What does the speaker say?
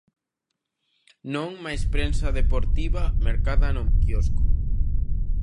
Non máis prensa deportiva mercada no quiosco.